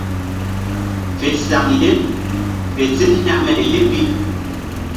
Fe saŋ ye fe se hekme ye pi.